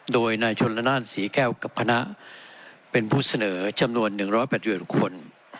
โดยนายชนละนานศรีแก้วกับคณะเป็นผู้เสนอจำนวน๑๘๑คน